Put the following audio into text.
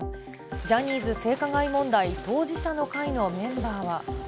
ジャニーズ性加害問題当事者の会のメンバーは。